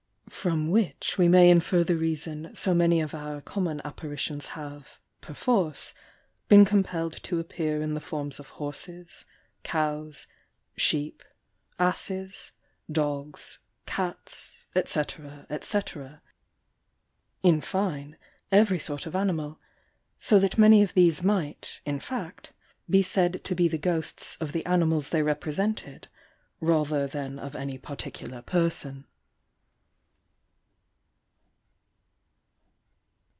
From which we may infer the reason so many of our common apparitions have, per force, been compelled to appear in the forms of horses, cows, sheep, asses, dogs, cats, &c, &c. in fine, every sort of animal ; so that many of these might, in fact, be saiil to be the ghosts of the animals they represented, rather than of any particular person.